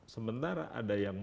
sementara ada yang